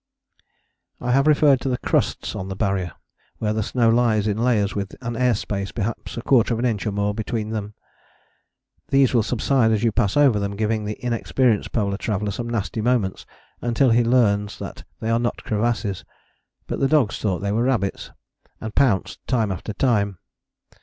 I have referred to the crusts on the Barrier, where the snow lies in layers with an air space, perhaps a quarter of an inch, or more, between them. These will subside as you pass over them, giving the inexperienced polar traveller some nasty moments until he learns that they are not crevasses. But the dogs thought they were rabbits, and pounced, time after time.